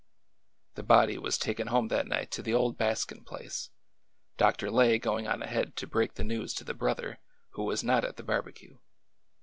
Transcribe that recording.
The body was taken home that night to the old Baskin place. Dr. Lay going on ahead to break the news to the brother, who was not at the barbecue.